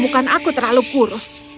mereka menemukan aku terlalu kurus